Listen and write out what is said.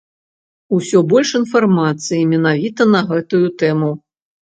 Усё больш інфармацыі менавіта на гэтую тэму.